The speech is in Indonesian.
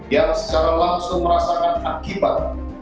yang secara langsung merasakan akibat